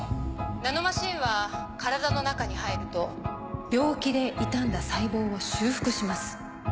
ナノマシンは体の中に入ると病気で傷んだ細胞を修復します。